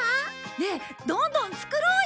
ねえどんどん作ろうよ！